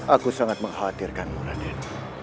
aku sangat menghatirkanmu raden